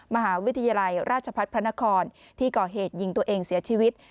มหาวิทยาลัยราชพัฒน์พระนครที่ก่อเหตุยิงตัวเองเสียชีวิต